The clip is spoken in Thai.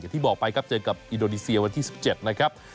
ที่บอกไปครับเจอกับอินโดนีเซียวันที่๑๗นะครับ